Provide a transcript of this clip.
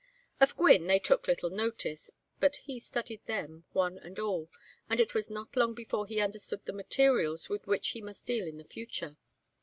Of Gwynne they took little notice, but he studied them, one and all, and it was not long before he understood the materials with which he must deal in the future.